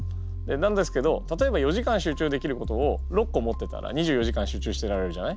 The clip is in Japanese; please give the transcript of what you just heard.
なんですけど例えば４時間集中できることを６個持ってたら２４時間集中してられるじゃない？